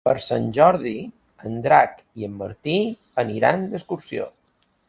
Per Sant Jordi en Drac i en Martí aniran d'excursió.